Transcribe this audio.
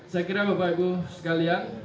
saya kira bapak ibu sekalian